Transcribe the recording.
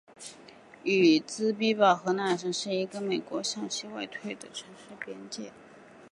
与匹兹堡和纳什维尔一样它是一个美国向西扩展时期的边界城市。